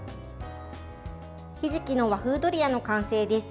ひじきの和風ドリアの完成です。